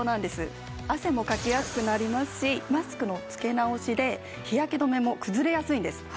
汗もかきやすくなりますしマスクのつけ直しで日焼け止めも崩れやすいんです。